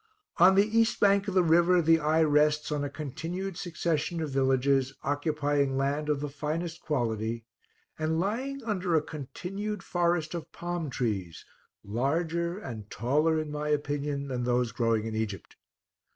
On the east bank of the river, the eye rests on a continued succession of villages, occupying land of the finest quality, and lying under a continued forest of palm trees, larger and taller, in my opinion, than those growing in Egypt.